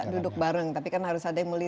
duduk bareng tapi kan harus ada yang